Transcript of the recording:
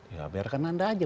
ya biarkan anda aja